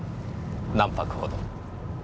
何泊ほど？